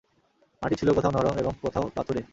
মাটি ছিল কোথাও নরম এবং কোথায় পাথুরে।